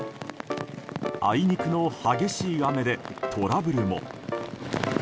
あいにくの激しい雨でトラブルも。